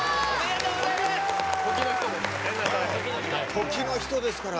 時の人ですから。